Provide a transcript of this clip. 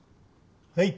はい。